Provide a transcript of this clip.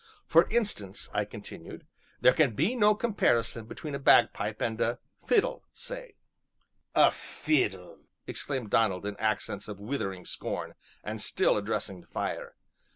"For instance," I continued, "there can be no comparison between a bagpipe and a fiddle, say." "A fiddle!" exclaimed Donald in accents of withering scorn, and still addressing the fire.